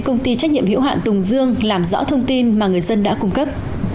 công ty trách nhiệm hiệu hạn tùng dương làm rõ thông tin mà người dân đã cung cấp